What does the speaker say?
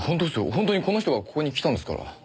本当にこの人がここに来たんですから。